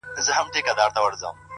اوس مي ذهن كي دا سوال د چا د ياد ـ